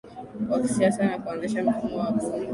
wa kisiasa na kuanzisha mfumo wa bunge